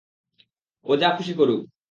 ও যা খুশি করুক।